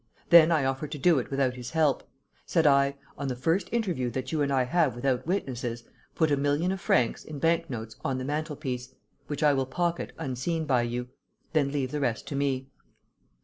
Then I offered to do it without his help. Said I: 'On the first interview that you and I have without witnesses, put a million of francs, in bank notes, on the mantelpiece, which I will pocket unseen by you. Then leave the rest to me.'